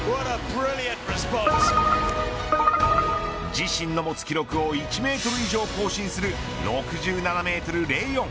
自身の持つ記録を１メートル以上更新する６７メートル０４。